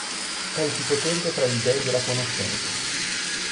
È il più potente fra gli dei della conoscenza.